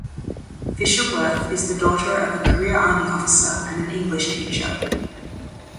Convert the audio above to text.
Fisher-Wirth is the daughter of a career Army officer and an English teacher.